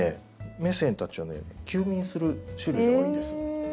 メセンたちはね休眠する種類が多いんです。